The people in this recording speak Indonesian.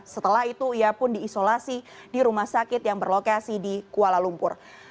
setelah itu ia pun diisolasi di rumah sakit yang berlokasi di kuala lumpur